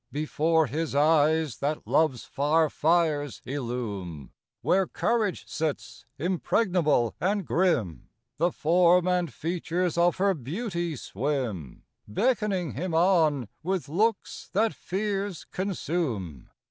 Before his eyes that love's far fires illume Where courage sits, impregnable and grim The form and features of her beauty swim, Beckoning him on with looks that fears consume.